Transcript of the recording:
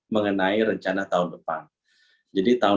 mengenai rencana tahun depan jadi tahun